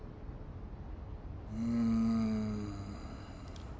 うん。